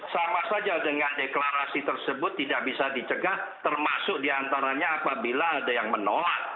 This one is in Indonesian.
sama saja dengan deklarasi tersebut tidak bisa dicegah termasuk diantaranya apabila ada yang menolak